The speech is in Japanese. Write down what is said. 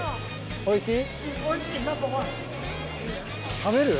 おいしい！